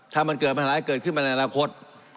ถ้ามันขึ้นมามันจะเข้ามาในอนาคต